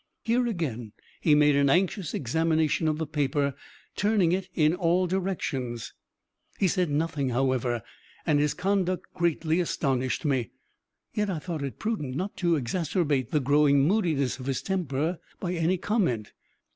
Here again he made an anxious examination of the paper; turning it in all directions. He said nothing, however, and his conduct greatly astonished me; yet I thought it prudent not to exacerbate the growing moodiness of his temper by any comment.